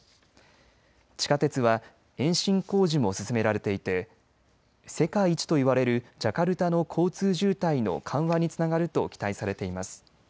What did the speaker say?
地下鉄は延伸工事も進められていて世界一といわれるジャカルタの交通渋滞の緩和につながると期待されています。